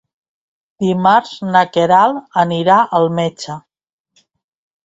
Dimarts na Queralt anirà al metge.